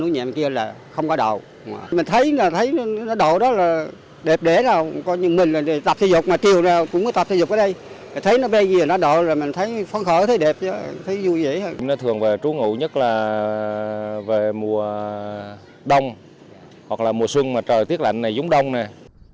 nó thường về chú ngụ nhất là về mùa đông hoặc là mùa xuân mà trời tiết lạnh này giống đông này